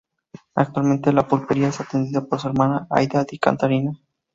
Actualmente, la pulpería es atendida por su hermana, Aida Di Catarina.